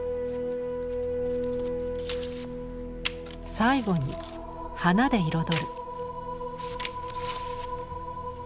最後に花で彩る。